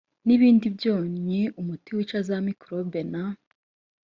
n ibindi byonnyi umuti wica za mikorobi na